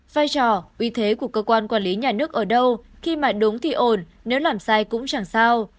vai trò uy thế của cơ quan quản lý nhà nước ở đâu khi mà đúng thì ổn nếu làm sai cũng chẳng sao